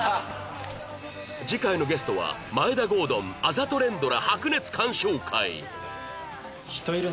次回のゲストは眞栄田郷敦あざと連ドラ白熱鑑賞会！